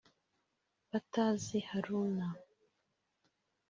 batazi Haruna